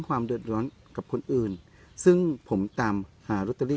ความเดือดร้อนกับคนอื่นซึ่งผมตามหาลอตเตอรี่